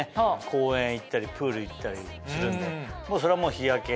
公園へ行ったりプール行ったりするんでもうそれは日焼け。